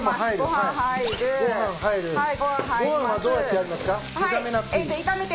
はい。